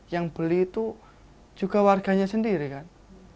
yang beli itu juga warganya sendiri kan